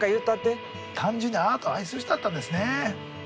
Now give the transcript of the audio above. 単純にアートを愛する人だったんですね。